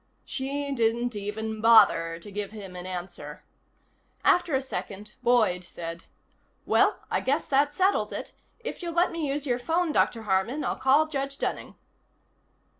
She didn't even bother to give him an answer. After a second Boyd said: "Well, I guess that settles it. If you'll let me use your phone, Dr. Harman, I'll call Judge Dunning."